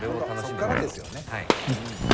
そこからですよね。